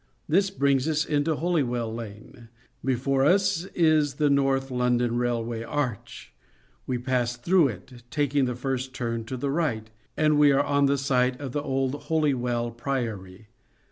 This brings us into Holywell Lane. Before us is the North London Railway arch ; we pass through it, taking the first turn to the right, and we are on the site of the old Holywell Priory.